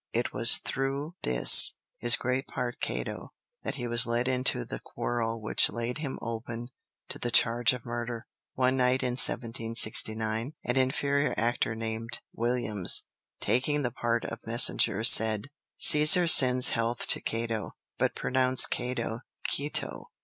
It was through this, his great part of Cato, that he was led into the quarrel which laid him open to the charge of murder. One night in 1769 an inferior actor named Williams, taking the part of messenger, said, "Cæsar sends health to Cato," but pronounced Cato "Keeto."